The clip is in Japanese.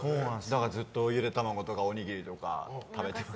だから、ずっとゆで卵とかおにぎりとかを食べてます。